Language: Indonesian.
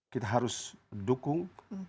kita harus dukung